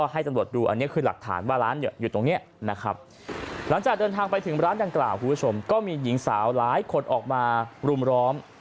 หลังจากเดินทางไปถึงร้านจังกราวคุณผู้ชมก็มีหญิงสาวหลายคนออกมารุมร้อม